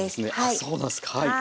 そうなんですかはい。